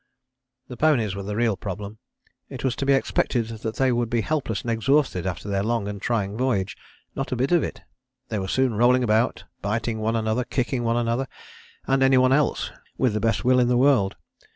" The ponies were the real problem. It was to be expected that they would be helpless and exhausted after their long and trying voyage. Not a bit of it! They were soon rolling about, biting one another, kicking one another, and any one else, with the best will in the world.